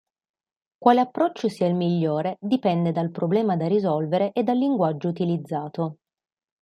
Quale approccio sia il migliore dipende dal problema da risolvere e dal linguaggio utilizzato.